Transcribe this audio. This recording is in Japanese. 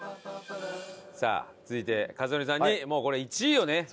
さあ続いて克典さんにもうこれ１位をね。